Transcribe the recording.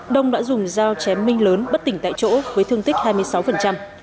đông đã dùng dao chém minh lớn bất tỉnh tại chỗ với thương tích hai mươi sáu